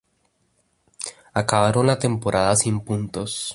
Acabaron la temporada sin puntos.